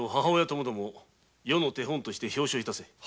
ともども世の手本として表彰致せ。